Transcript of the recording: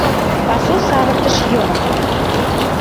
ПАСУСАВЫРТЫШ ЙОМЫН